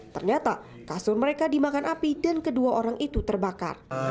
ternyata kasur mereka dimakan api dan kedua orang itu terbakar